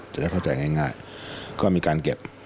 จะได้เข้าใจง่ายก็มีการเก็บ